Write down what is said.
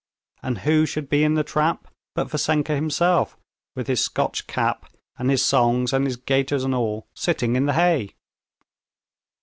And who should be in the trap but Vassenka himself, with his Scotch cap, and his songs and his gaiters, and all, sitting in the hay.